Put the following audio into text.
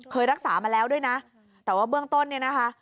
เคยรักษามาแล้วด้วยนะแต่ว่าเบื้องต้นเนี่ยนะคะ